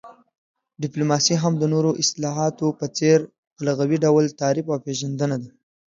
ډيپلوماسي هم د نورو اصطلاحاتو په څير په لغوي ډول تعريف او پيژندنه لري